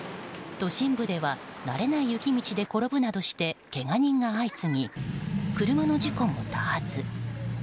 都心部では慣れない雪道で転ぶなどしてけが人が相次ぎ車の事故も多発。